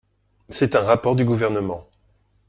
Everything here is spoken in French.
C’est un rapport du Gouvernement.